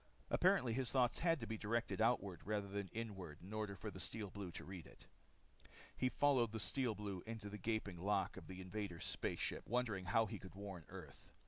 Apparently his thoughts had to be directed outward, rather than inward, in order for the Steel Blues to read it. He followed the Steel Blue into the gaping lock of the invaders' space ship wondering how he could warn Earth.